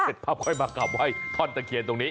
เจ็ดภาพค่อยมากลับไหว้ท่อนตะเขียนตรงนี้